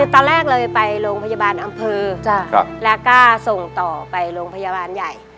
ตอนแรกเลยไปโรงพยาบาลอำเภอแล้วก็ส่งต่อไปโรงพยาบาลใหญ่